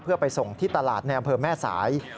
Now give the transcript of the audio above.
เพื่อไปส่งที่ตลาดแนวบริเวณแม่สาย